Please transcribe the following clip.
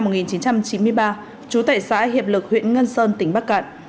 đối tượng là phạm thế hùng sinh năm một nghìn chín trăm chín mươi ba chú tệ xã hiệp lực huyện ngân sơn tỉnh bắc cạn